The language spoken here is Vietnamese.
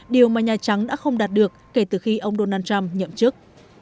điều mà nhà trắng đã không đạt được kể từ khi ông donald trump nhậm chức